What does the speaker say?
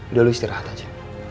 udah lu istirahat aja